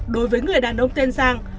đối với người đàn ông tên giang